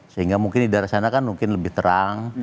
sehingga mungkin di daerah sana kan mungkin lebih terang